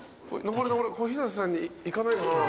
小日向さんに行かないかなぁ。